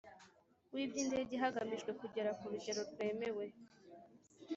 W iby indege hagamijwe kugera ku rugero rwemewe